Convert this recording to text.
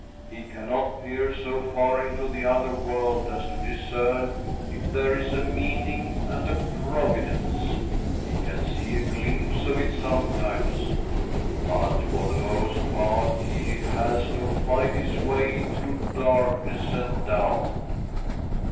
He cannot peer 60 THY SOUL SHALL BEAR WITNESS J so far into the other world as to discern if there is a meaning and a providence. He can see a glimpse of it sometimes, but, for the most part, he has to fight his way through darkness and doubt.